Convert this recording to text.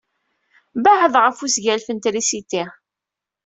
Bɛed ɣef wesgalef n trisiti.